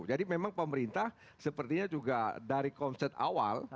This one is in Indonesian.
jadi memang pemerintah sepertinya juga dari konsep awal